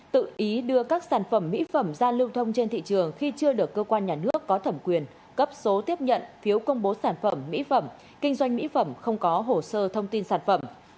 tự ý đưa các sản phẩm mỹ phẩm ra lưu thông trên thị trường khi chưa được cơ quan nhà nước có thẩm quyền cấp số tiếp nhận phiếu công bố sản phẩm mỹ phẩm kinh doanh mỹ phẩm không có hồ sơ thông tin sản phẩm